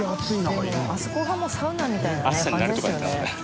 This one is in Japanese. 丸山）でもあそこがもうサウナみたいなね感じですよね。